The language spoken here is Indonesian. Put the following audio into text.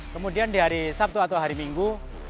kemudian di hari sabtu atau hari minggu